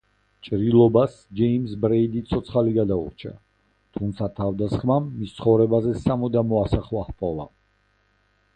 ჭრილობას ჯეიმზ ბრეიდი ცოცხალი გადაურჩა, თუმცა თავდასხმამ მის ცხოვრებაზე სამუდამო ასახვა ჰპოვა.